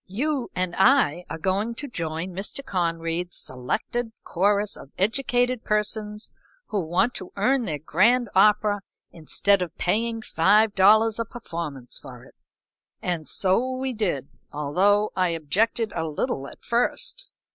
"You and I are going to join Mr. Conried's selected chorus of educated persons who want to earn their grand opera instead of paying five dollars a performance for it." And so we did, although I objected a little at first.